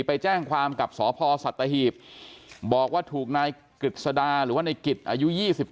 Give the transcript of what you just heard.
เราได้แจ้งความตามสตพสัจธิบบอกว่าถูกนายกิจศดาหรือว่าในกิจอายุ๒๗